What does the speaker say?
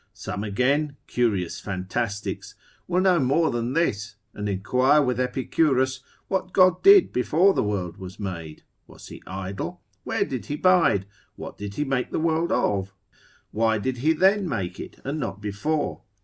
Some again, curious fantastics, will know more than this, and inquire with Epicurus, what God did before the world was made? was he idle? Where did he bide? What did he make the world of? why did he then make it, and not before?